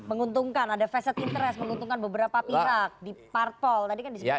menguntungkan ada facet interest menguntungkan beberapa pihak di parpol tadi kan disebut